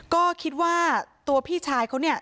ก็คิดว่าตัวพี่ชายเขาเนี่ย